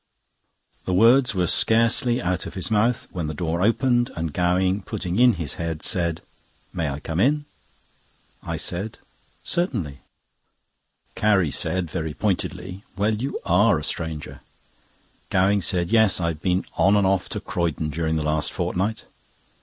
The words were scarcely out of his mouth when the door opened, and Gowing, putting in his head, said: "May I come in?" I said: "Certainly." Carrie said very pointedly: "Well, you are a stranger." Gowing said: "Yes, I've been on and off to Croydon during the last fortnight."